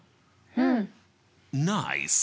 うん。